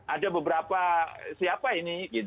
ada beberapa siapa ini